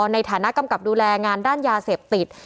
ในฐานะกำกับดูแลงานด้านยาเสพติด